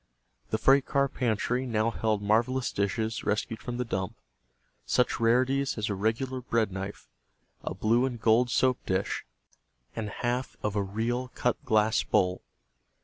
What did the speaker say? The freight car pantry now held marvelous dishes rescued from the dump; such rarities as a regular bread knife, a blue and gold soap dish, and half of a real cut glass bowl.